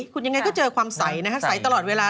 คุณยังไงก็เจอความใสนะฮะใสตลอดเวลา